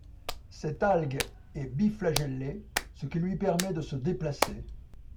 Cette algue est bi-flagellée, ce qui lui permet de se déplacer.